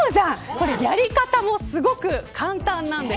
これ、やり方もすごく簡単なんです。